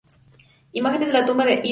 Imágenes de la tumba de Intef I